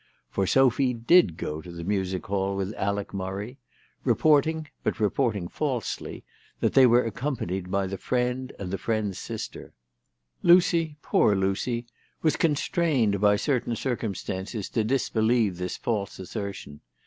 For Sophy did go to the Music Hall with Alec Murray, reporting, but report ing falsely, that they were accompanied by the friend and the friend's sister. Lucy, poor Lucy, was con strained by certain circumstances to disbelieve this false assertion.